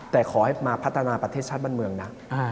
แต่ขอให้มาพัฒนาประเทศชาติบ้านเมืองนะ